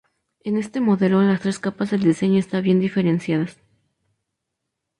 En este modelo las tres capas del diseño están bien diferenciadas.